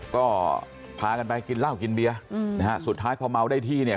ก็พากันไปกินเหล้ากินเบียร์นะฮะสุดท้ายพอเมาได้ที่เนี่ย